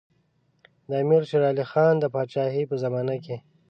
د امیر شېر علي خان د پاچاهۍ په زمانه کې.